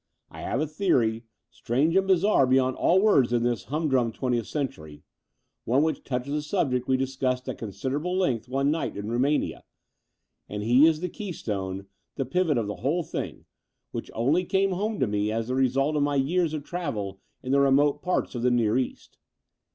I have a theory, strange and bizarre beyond all words in this humdrimi twentieth century, one which touches a subject we discussed at considerable length one night in Rumania: and he is the key stone, the pivot of the whole thing, which only came home to me as the result of my years of travel in the remote parts pf the Near East.